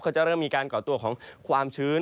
จะเริ่มมีการก่อตัวของความชื้น